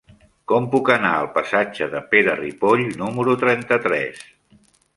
Com puc anar al passatge de Pere Ripoll número trenta-tres?